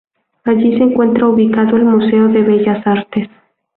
Allí se encuentra ubicado el Museo de Bellas Artes.